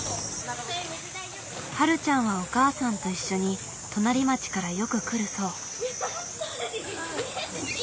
はるちゃんはお母さんと一緒に隣町からよく来るそう。